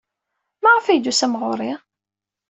Maɣef ay d-tusam ɣer-i?